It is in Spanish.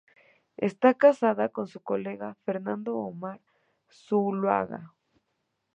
Está casada con su colega Fernando Omar Zuloaga.